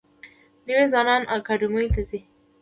نوي ځوانان اکاډمیو ته ځي.